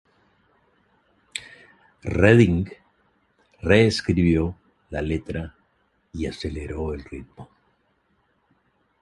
Redding reescribió la letra y aceleró el ritmo.